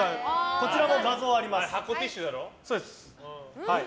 こちらも画像があります。